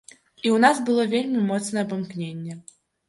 І ў нас было вельмі моцнае памкненне.